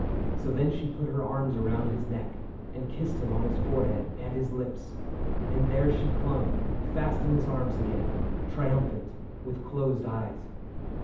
So then she put her arms around his neck. And kissed him on his forehead and his lips ; And there she clung, fast in his arms again, Triumphant, with closed eyes.